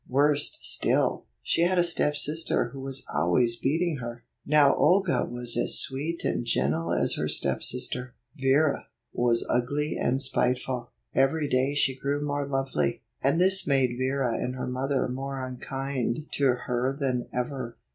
Worse still, she had a stepsister who was always beating her. Now Olga was as sweet and gentle as her stepsister, Vera, was ugly and spiteful. Every day she grew more lovely, and this made Vera and her mother more unkind to her than ever.